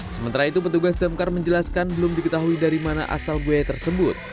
sementara itu petugas damkar menjelaskan belum diketahui dari mana asal buaya tersebut